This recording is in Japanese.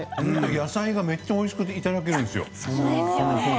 野菜がめっちゃおいしくいただけるんですよ。